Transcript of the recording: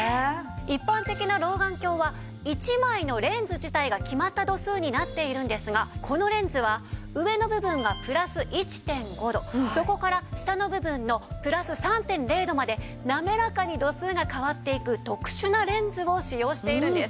一般的な老眼鏡は１枚のレンズ自体が決まった度数になっているんですがこのレンズは上の部分がプラス１．５度そこから下の部分のプラス３．０度まで滑らかに度数が変わっていく特殊なレンズを使用しているんです。